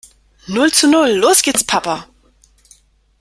Null zu null. Los geht's Papa!